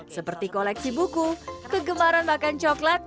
seperti koleksi buku kegemaran makan coklat